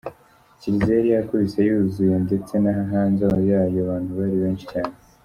Kiliziya yari yakubise uzuye, ndetse no hanze yayo abantu bari benshi cyane.